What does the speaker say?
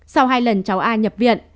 sau hai lần cháu a nhập viện